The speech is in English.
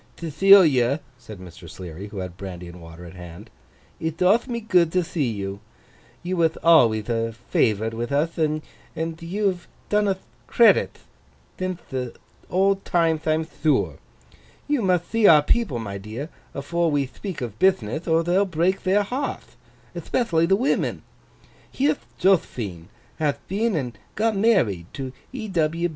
'Thethilia,' said Mr. Sleary, who had brandy and water at hand, 'it doth me good to thee you. You wath alwayth a favourite with uth, and you've done uth credith thinth the old timeth I'm thure. You mutht thee our people, my dear, afore we thpeak of bithnith, or they'll break their hearth—ethpethially the women. Here'th Jothphine hath been and got married to E.